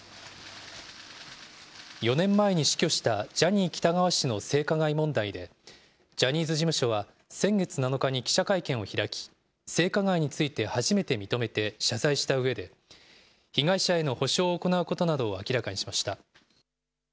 ４年前に死去したジャニー喜多川氏の性加害問題で、ジャニーズ事務所は先月７日に記者会見を開き、性加害について初めて認めて謝罪したうえで、被害者への補償を行うことなどを明らかにしました。